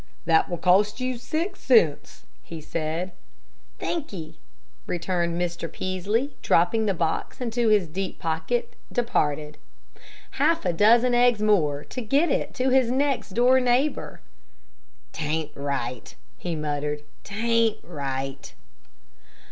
"That will cost you six cents," he said. "Thank ye," returned Mr. Peaslee, and dropping the box into his deep pocket, departed. Half a dozen eggs more to get it to his next door neighbor! "'T ain't right," he muttered, "'t ain't right."